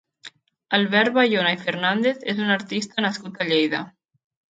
Albert Bayona i Fernández és un artista nascut a Lleida.